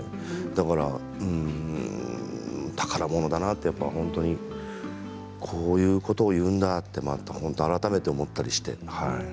だから宝物だなと本当にこういうことを言うんだって改めて思ったりして。